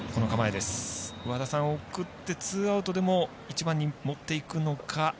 送ってツーアウトでも１番に持っていくのか。